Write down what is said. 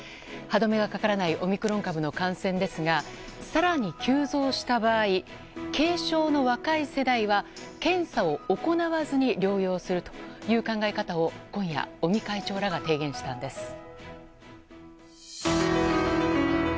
歯止めがかからないオミクロン株の感染ですが更に急増した場合軽症の若い世代は検査を行わずに療養するという考え方を今夜、尾身会長らが提言したんです。